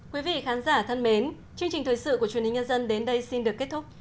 quý vị khán giả thân mến chương trình thời sự của truyền hình nhân dân đến đây xin được kết thúc